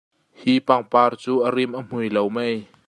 Hi pangpar cu a rim a hmui lo mei?